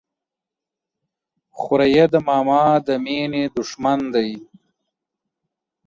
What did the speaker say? خوريي د ماما د ميني د ښمن دى.